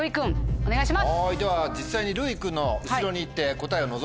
お願いします！